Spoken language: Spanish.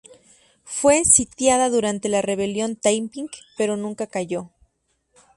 Fue sitiada durante la Rebelión Taiping, pero nunca cayó.